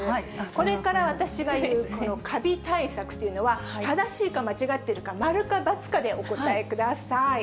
これから私が言う、このかび対策というのは、正しいか間違ってるか、〇か×かでお答えください。